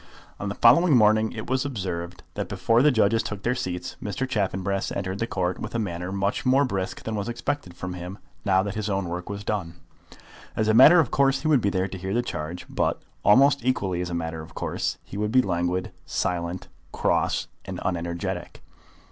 On the following morning it was observed that before the judges took their seats Mr. Chaffanbrass entered the Court with a manner much more brisk than was expected from him now that his own work was done. As a matter of course he would be there to hear the charge, but, almost equally as a matter of course, he would be languid, silent, cross, and unenergetic.